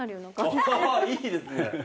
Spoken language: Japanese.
いいですね。